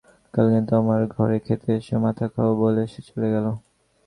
কাল কিন্তু আমার ঘরে খেতে এসো, মাথা খাও, বলে সে চলে গেল।